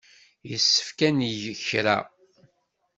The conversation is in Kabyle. Yessefk ad neg kra.